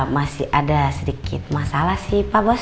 masih ada sedikit masalah sih pak bos